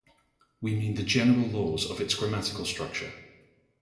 We mean the general laws of its grammatical structure.